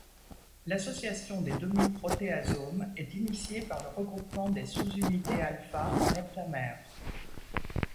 L'association des demi-protéasomes est initiée par le regroupement des sous-unités α en heptamère.